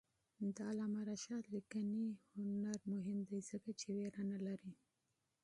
د علامه رشاد لیکنی هنر مهم دی ځکه چې ویره نه لري.